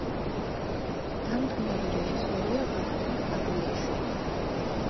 დამდგმელი რეჟისორია ვახტანგ ტაბლიაშვილი.